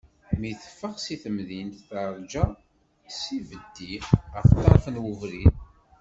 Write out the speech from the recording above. Mi teffeɣ seg temdint, terǧa s yibeddi ɣer ṭṭerf n ubrid.